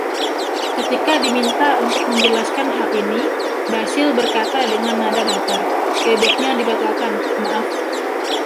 Ketika diminta untuk menjelaskan hal ini, Basil berkata dengan nada datar, "Bebeknya dibatalkan, maaf".